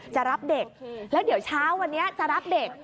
จะรับเด็กแล้วเดี๋ยวเช้าวันนี้จะรับเด็ก